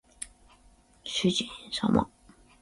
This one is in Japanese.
おはようございますご主人様